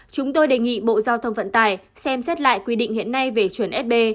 chúng tôi đề nghị bộ giao thông vận tài xem xét lại quy định hiện nay về chuẩn sb